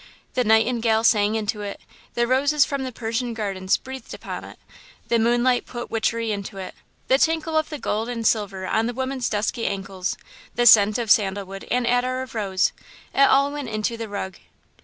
"The nightingale sang into it, the roses from Persian gardens breathed upon it, the moonlight put witchery into it; the tinkle of the gold and silver on the women's dusky ankles, the scent of sandal wood and attar of rose it all went into the rug.